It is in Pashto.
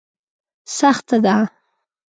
سخته ده.